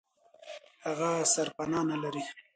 هغه سرپنا نه لري.